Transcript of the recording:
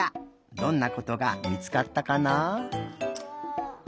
どんなことがみつかったかな。